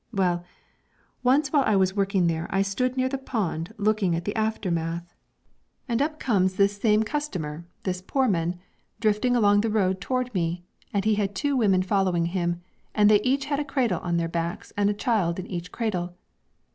Well, once while I was working there I stood near the pond looking at the aftermath. And up comes this same customer this Poorman drifting along the road toward me, and he had two women following him, and they each had a cradle on their backs and a child in each cradle.